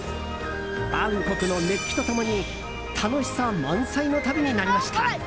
バンコクの熱気と共に楽しさ満載の旅になりました。